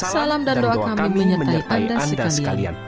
salam dan doa kami menyertai anda sekali